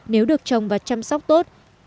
nếu được trồng và chăm sóc tốt